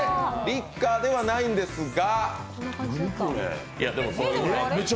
リッカーではないんですが。